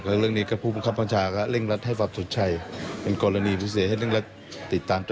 แล้วก็เรื่องนี้ก็พูดบงคับเป็นสาร